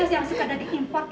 ikus yang suka daging import gitu